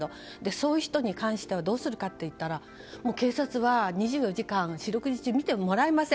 そういう人に関してはどうするかといったら警察は２４時間、四六時中見てもらえません。